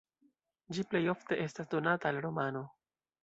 Ĝi plej ofte estas donata al romano.